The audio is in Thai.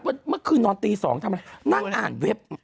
เมื่อคืนนอนตี๒ทำอะไรนั่งอ่านเว็บ